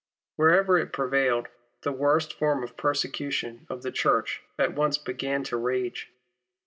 Wherever it prevailed, the worst form of persecution of the Church at once began to rage.